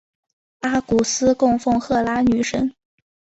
阿古斯供奉赫拉女神。